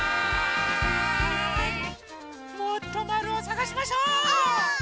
もっとまるをさがしましょう！